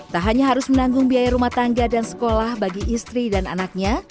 tak hanya harus menanggung biaya rumah tangga dan sekolah bagi istri dan anaknya